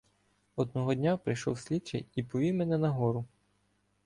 Одного дня прийшов слідчий і повів мене нагору.